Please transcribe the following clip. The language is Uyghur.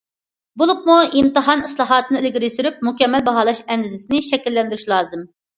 بولۇپمۇ ئىمتىھان ئىسلاھاتىنى ئىلگىرى سۈرۈپ، مۇكەممەل باھالاش ئەندىزىسىنى شەكىللەندۈرۈش لازىم.